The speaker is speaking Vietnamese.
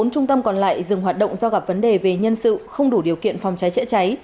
bốn trung tâm còn lại dừng hoạt động do gặp vấn đề về nhân sự không đủ điều kiện phòng cháy chữa cháy